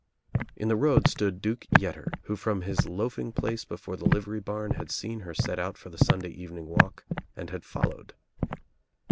In the road stood Duke Yetter who from his loafing place before the livery barn had seen her set out for the Sunday evening walk and had followed.